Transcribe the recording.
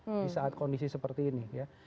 di saat kondisi seperti ini ya